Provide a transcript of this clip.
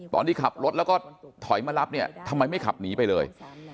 ตอนที่ขับรถแล้วก็ถอยมารับเนี่ยทำไมไม่ขับหนีไปเลย